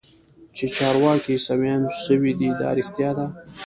چې چارواکي عيسويان سوي دي دا رښتيا ده.